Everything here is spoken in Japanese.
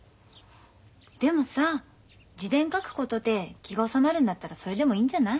でもさ自伝書くことで気が収まるんだったらそれでもいいんじゃない？